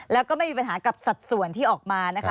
แล้วก็ไม่มีปัญหากับสัดส่วนที่ออกมานะคะ